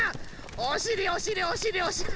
おしりおしりおしりおしり。